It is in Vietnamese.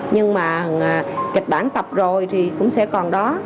nhưng mà kịch bản tập rồi thì cũng sẽ còn đó